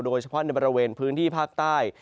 โดยเฉพาะในบริเวณพื้นที่ภาคใต้